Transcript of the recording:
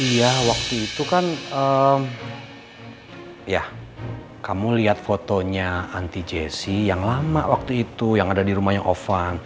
iya waktu itu kan ya kamu lihat fotonya anti jesse yang lama waktu itu yang ada di rumahnya ovan